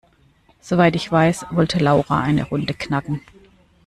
Soweit ich weiß, wollte Laura eine Runde knacken.